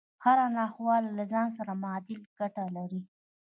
هره ناخواله له ځان سره معادل ګټه لري